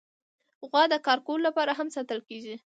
غوا د کار کولو لپاره هم ساتل کېږي.